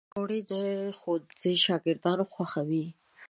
پکورې د ښوونځي شاګردان خوښوي